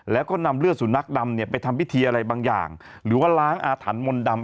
และก็นำเลือดสู่นักดำไปทำพิธีหรือล้างอ่าถันมนต์ดำ